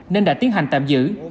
nên đã tiến hành tạm giữ